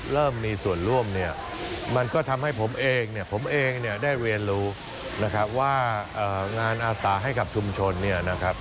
เริ่มมีส่วนร่วมมันก็ทำให้ผมเองได้เรียนรู้ว่างานอาศาให้กับชุมชน